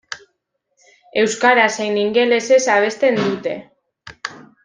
Euskaraz zein ingelesez abesten dute.